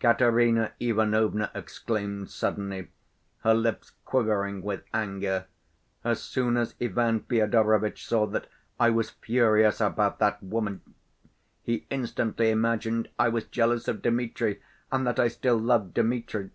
Katerina Ivanovna exclaimed suddenly, her lips quivering with anger. "As soon as Ivan Fyodorovitch saw that I was furious about that woman, he instantly imagined I was jealous of Dmitri and that I still loved Dmitri.